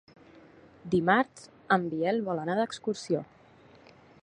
Dimarts en Biel vol anar d'excursió.